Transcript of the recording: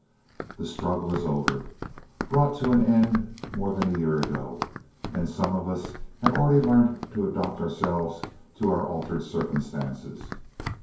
"The struggle is over, brought to an end more than a year ago, and some of us have already learnt to adapt ourselves to our altered circumstances.